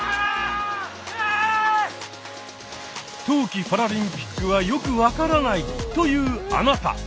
冬季パラリンピックはよく分からないというあなた！